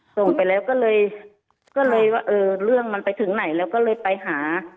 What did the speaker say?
ส่งไปแล้วก็เลยก็เลยว่าเออเรื่องมันไปถึงไหนแล้วก็เลยไปหา